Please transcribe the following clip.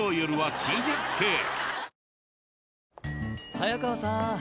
早川さん